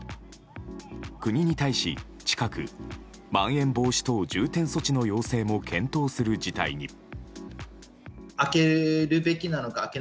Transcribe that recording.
国に対し、近くまん延防止等重点措置の要請も検討する事態に。